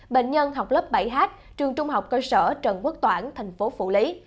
bệnh nhân học lớp bảy h trường trung học cơ sở trần quốc toản thành phố phủ lý